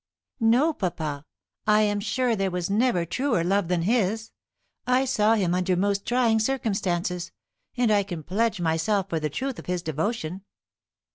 "No, papa. I am sure there was never truer love than his. I saw him under most trying circumstances, and I can pledge myself for the truth of his devotion."